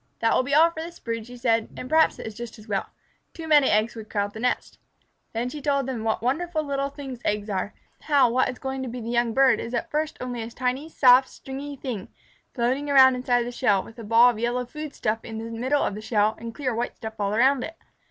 "That will be all for this brood," she said, "and perhaps it is just as well. Too many eggs would crowd the nest." Then she told them what wonderful things eggs are; how what is going to be the young bird is at first only a tiny, soft, stringy thing, floating around inside the shell, with a ball of yellow food stuff in the middle of the shell and clear white stuff all around it.